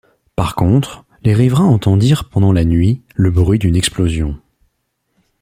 Par contre, les riverains entendirent pendant la nuit le bruit d’une explosion.